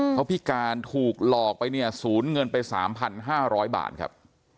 เขาพิการถูกหลอกไปเนี่ยศูนย์เงินไป๓๕๐๐บาทครับ